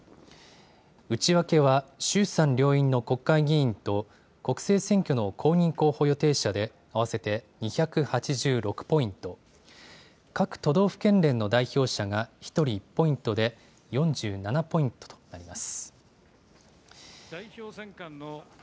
内訳は衆参両院の国会議員と国政選挙の公認候補予定者で、合わせて２８６ポイント、各都道府県連の代表者が１人１ポイントで４７ポイントとなります。